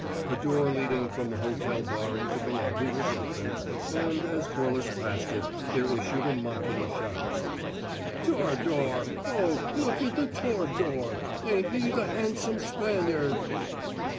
A door leading from the hotel bar into the lobby was open, and, as Corliss passed it, there issued a mocking shout: "Tor'dor! Oh, look at the Tor'dor! Ain't he the handsome Spaniard!"